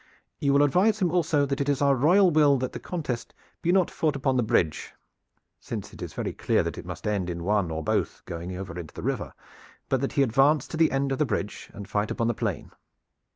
You will advise him also that it is our royal will that this contest be not fought upon the bridge, since it is very clear that it must end in one or both going over into the river, but that he advance to the end of the bridge and fight upon the plain.